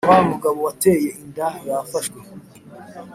Wa mugabo wateye inda yafashwe